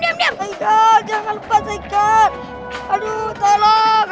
diam diam jangan lupa aduh tolong